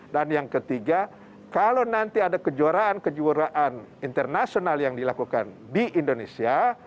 dan yang ketiga kalau nanti ada kejuaraan kejuaraan internasional yang dilakukan di indonesia